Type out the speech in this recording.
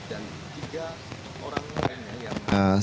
dan tiga orang lainnya yang